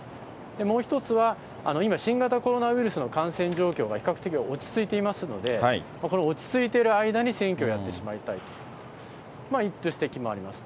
もう一つは、今、新型コロナウイルスの感染状況が比較的落ち着いていますので、この落ち着いている間に選挙をやってしまいたいという指摘もあります。